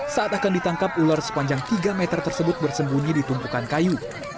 saat akan ditangkap ular sepanjang tiga meter tersebut bersembunyi di tumpukan kayu